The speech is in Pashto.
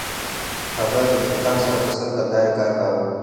هغه د دهقان سره په سل کلدارې کار کاوه